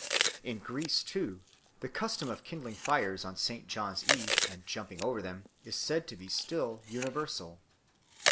In Greece, too, the custom of kindling fires on St. John's Eve and jumping over them is said to be still universal.